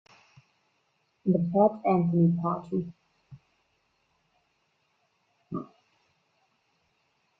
The Pat Anthony Party.